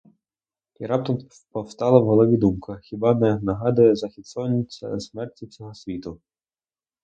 І раптом повстала в голові думка: хіба не нагадує захід сонця смерті всього світу?